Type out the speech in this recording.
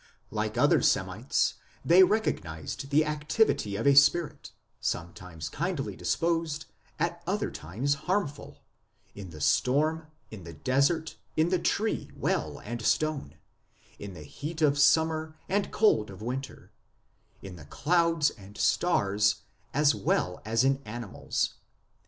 1 Like other Semites they recognized the activity of a spirit, sometimes kindly dis posed, at other times harmful, in the storm, in the desert, in the tree, well, and stone, in the heat of summer and cold of winter, in the clouds and stars, as well as in animals.